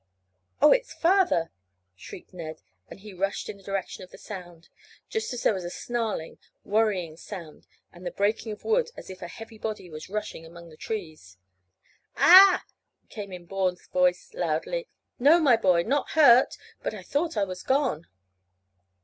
"Oh, it's father!" shrieked Ned, and he rushed in the direction of the sound, just as there was a snarling, worrying sound and the breaking of wood as if a heavy body was rushing among the trees. "Ah!" came in Bourne's voice, loudly. "No, my boy, not hurt, but I thought I was gone."